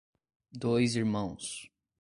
Dois Irmãos